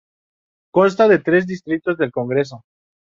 Consta de tres distritos del congreso.